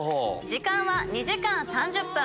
時間は２時間３０分